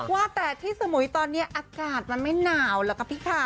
ว่าแต่ที่สมุยตอนนี้อากาศมันไม่หนาวหรอกค่ะพี่ค่ะ